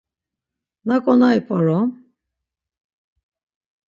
Naǩonari p̌orom?